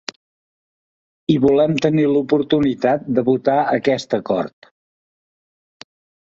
I volem tenir l’oportunitat de votar aquest acord.